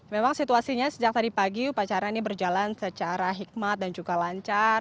memang situasinya sejak tadi pagi upacara ini berjalan secara hikmat dan juga lancar